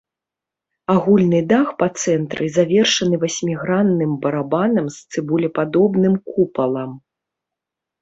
Агульны дах па цэнтры завершаны васьмігранным барабанам з цыбулепадобным купалам.